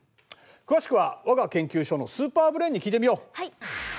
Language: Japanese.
詳しくは我が研究所のスーパーブレーンに聞いてみよう。